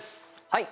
はい。